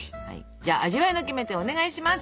じゃあ味わいのキメテお願いします！